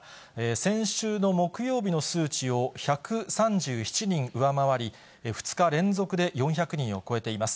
先週の木曜日の数値を１３７人上回り、２日連続で４００人を超えています。